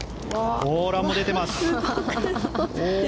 ランも出ています。